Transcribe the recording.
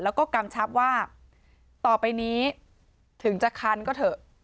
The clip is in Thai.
แล้วก็กำชับว่าต่อไปนี้ถึงจะคันก็เถอะ